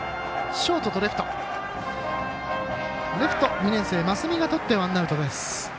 レフト、２年生増見がとってワンアウトです。